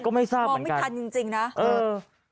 ก็ไม่ทันเหมือนกันมองไม่ทันจริงนะเออ